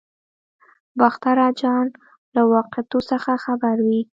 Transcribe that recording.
باختر اجان له واقعاتو څخه خبر وي.